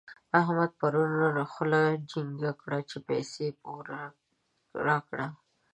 احمد پرون خوله چينګه کړه چې پيسې پور راکړه.